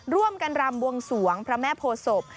ร่วมกันรำบวงสวงพระแม่โพศพ